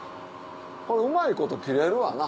これうまいこと切れるわな。